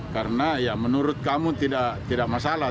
karena menurut kamu tidak masalah